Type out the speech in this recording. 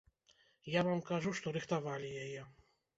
Я вам кажу, што рыхтавалі яе.